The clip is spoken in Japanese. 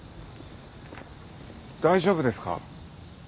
大丈夫ですか？